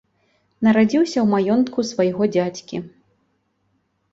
Нарадзіўся ў маёнтку свайго дзядзькі.